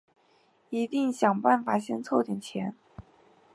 一定想办法先凑点钱